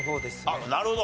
あっなるほど。